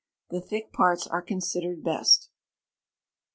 The thick parts are considered best.